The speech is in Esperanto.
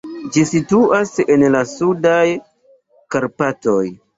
Ĝi situas en la Sudaj Karpatoj.